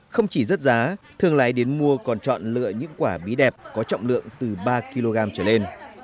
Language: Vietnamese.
không chỉ rớt giá thương lái đến mua còn chọn lựa những quả bí đẹp có trọng lượng từ ba kg trở lên